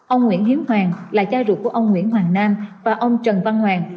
ông nguyễn hiếu hoàng là cha ruột của ông nguyễn hoàng nam và ông trần văn hoàng